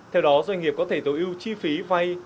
theo đó doanh nghiệp có thể tối ưu chi phí vay